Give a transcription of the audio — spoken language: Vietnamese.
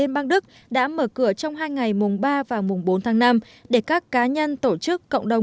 liên bang đức đã mở cửa trong hai ngày mùng ba và mùng bốn tháng năm để các cá nhân tổ chức cộng đồng